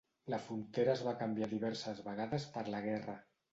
La frontera es va canviar diverses vegades per la guerra.